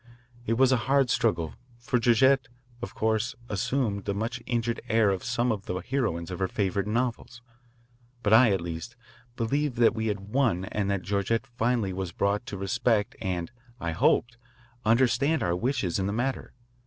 It was a hard struggle, for Georgette, of course, assumed the much injured air of some of the heroines of her favourite novels. But I, at least, believed that we had won and that Georgette finally was brought to respect and, I hoped, understand our wishes in the matter.